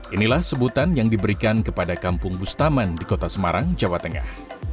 inilah sebutan yang diberikan kepada kampung bustaman di kota semarang jawa tengah